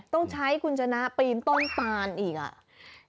ต้องใช้คุณชนะปีนต้นตานอีกอ่ะ